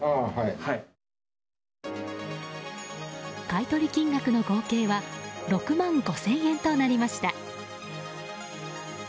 買い取り金額の合計は６万５０００円となりました。